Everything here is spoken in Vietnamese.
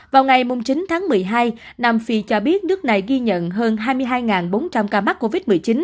vào ngày chín tháng một mươi hai nam phi cho biết nước này ghi nhận hơn hai mươi hai bốn trăm linh ca mắc covid một mươi chín